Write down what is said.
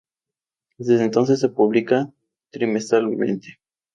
Desde entonces, se publica trimestralmente.